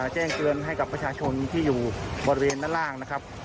แจ้งเตือนให้กับประชาชนที่อยู่บริเวณด้านล่างนะครับ